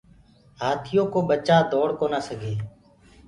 هآٿيو ڪو ڀچآ دوڙ ڪونآ سگي ۔